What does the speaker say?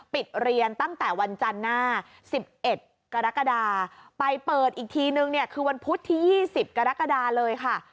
ปิดเรียนตั้งแต่วันจันทร์หน้า๑๑ปไปเปิดอีกทีนึงวันพุธที่๒๐ปเลยค่ะ